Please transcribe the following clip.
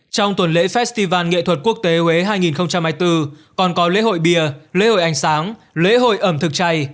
trong tuần lễ festival nghệ thuật quốc tế huế hai nghìn hai mươi bốn còn có lễ hội bia lễ hội ánh sáng lễ hội ẩm thực chay